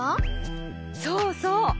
そうそう！